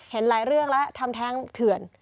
เห็นหลายเรื่องแล้วทำแท้งเถื่อน